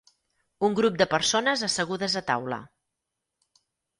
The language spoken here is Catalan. Un grup de persones assegudes a taula.